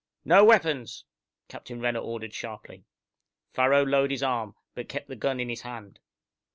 "No weapons!" Captain Renner ordered sharply. Farrow lowered his arm, but kept the gun in his hand.